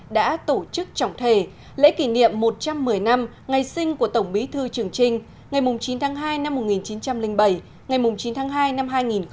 đã tổ chức trọng thể lễ kỷ niệm một trăm một mươi năm ngày sinh của tổng bí thư trường trinh ngày chín tháng hai năm một nghìn chín trăm linh bảy ngày chín tháng hai năm hai nghìn một mươi chín